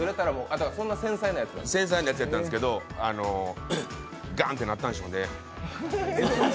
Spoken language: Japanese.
繊細なやつやったんですけどガンってなったんでしょうね。